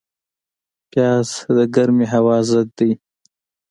پیاز د ګرمې هوا ضد دی